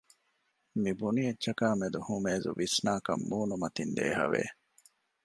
މިބުނި އެއްޗަކާ މެދު ހުމޭޒު ވިސްނާކަން މޫނުމަތިން ދޭހަވެ